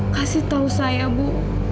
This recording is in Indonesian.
kasih tahu saya bu